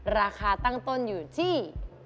ราคาตั้งต้นอยู่ที่